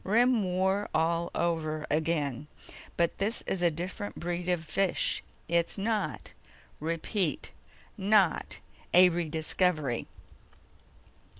Rim War all over again. But this is a different breed of fish. It's not, repeat, not a re discovery."